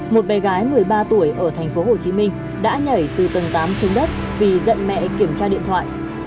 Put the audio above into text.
một bé gái một mươi ba tuổi ở thành phố hồ chí minh đã nhảy từ tầng tám xuống đất vì giận mẹ kiểm tra điện thoại